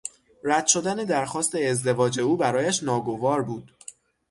رد شدن درخواست ازدواج او برایش ناگوار بود.